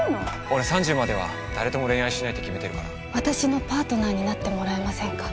俺３０までは誰とも恋愛しないって決めてるから私のパートナーになってもらえませんか？